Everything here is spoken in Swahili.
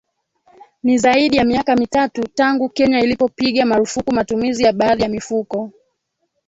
Ni zaidi ya miaka mitatu tangu Kenya ilipopiga marufuku matumizi ya baadhi ya mifuko